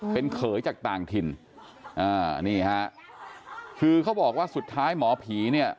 เป็นเขยจากต่างถิ่นอ่านี่ฮะคือเขาบอกว่าสุดท้ายหมอผีเนี่ย